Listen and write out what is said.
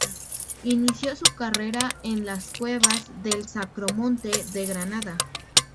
Inició su carrera en las cuevas del Sacromonte de Granada.